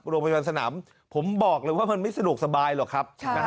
โรงพยาบาลสนามผมบอกเลยว่ามันไม่สะดวกสบายหรอกครับ